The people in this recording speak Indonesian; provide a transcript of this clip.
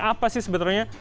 apa sih sebenarnya